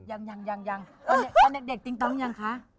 ยังตอนเด็กตริงตรงยังคะ